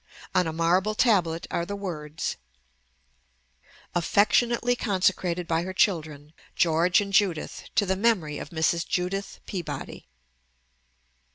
On a marble tablet are the words, "Affectionately consecrated by her children, George and Judith, to the memory of Mrs. Judith Peabody."